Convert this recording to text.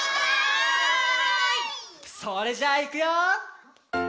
それじゃあいくよ！